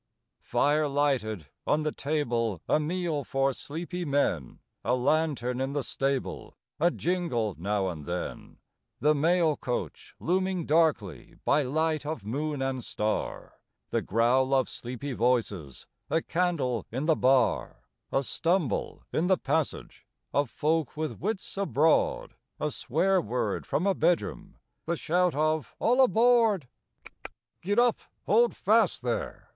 Fire lighted, on the table a meal for sleepy men, A lantern in the stable, a jingle now and then; The mail coach looming darkly by light of moon and star, The growl of sleepy voices a candle in the bar; A stumble in the passage of folk with wits abroad; A swear word from a bedroom the shout of 'All aboard!' 'Tchk tchk! Git up!' 'Hold fast, there!